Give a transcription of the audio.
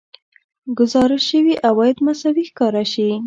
ګزارش شوي عواید مساوي ښکاره شي